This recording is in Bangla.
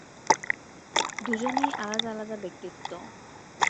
দুজনেই আলাদা আলাদা ব্যক্তিত্ব।